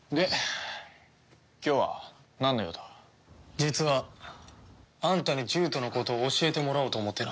実はあんたに獣人のことを教えてもらおうと思ってな。